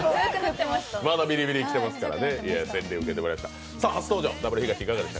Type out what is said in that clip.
まだビリビリきてますから。